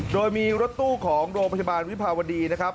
โดยมีรถตู้ของโรงพยาบาลวิภาวดีนะครับ